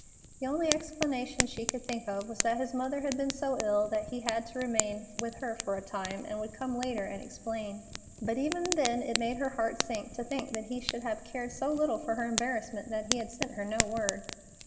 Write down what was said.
The only explanation she could think of was that his mother had been so ill that he had to remain with her for a time, and would come later and explain. But even then it made her heart sink to think that he should have cared so little for her embarrassment that he had sent her no word.